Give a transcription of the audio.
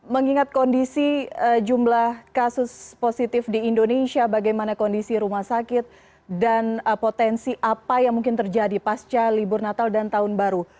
mengingat kondisi jumlah kasus positif di indonesia bagaimana kondisi rumah sakit dan potensi apa yang mungkin terjadi pasca libur natal dan tahun baru